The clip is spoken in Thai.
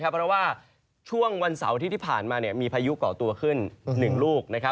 เพราะว่าช่วงวันเสาร์อาทิตย์ที่ผ่านมามีพายุก่อตัวขึ้น๑ลูก